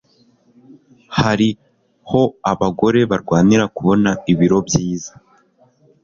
hariho abagore barwanira kubona ibiro byiza